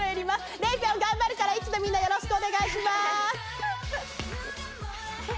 礼ぴょん頑張るからＩＴＺＹのみんな、よろしくお願いします。